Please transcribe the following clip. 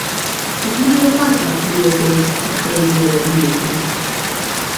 A quina hora passa el primer autobús per Traiguera dimecres?